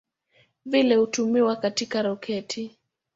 Vile hutumiwa katika roketi.